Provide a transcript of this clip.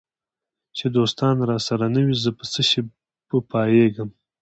چي دوستان راسره نه وي زه په څشي به پایېږم